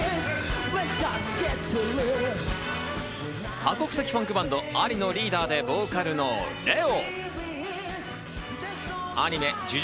多国籍ファンクバンド・ＡＬＩのリーダーでボーカルのＬＥＯ。